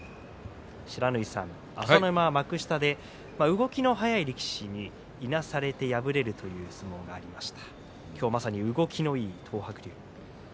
不知火さん、朝乃山は幕下で動きの速い力士にいなされて敗れるという相撲がありました。